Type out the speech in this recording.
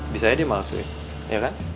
bisanya dimaksudin ya kan